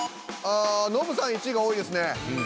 ああノブさん１位が多いですね。